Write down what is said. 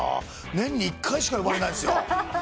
年に１回しか呼ばれないんですよ。